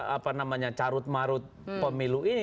apa namanya carut marut pemilu ini